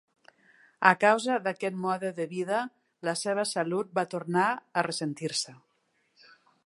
A causa d'aquest mode de vida, la seva salut va tornar a ressentir-se.